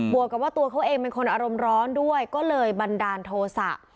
วกกับว่าตัวเขาเองเป็นคนอารมณ์ร้อนด้วยก็เลยบันดาลโทษะ